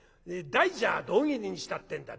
大蛇を胴切りにしたってんだ。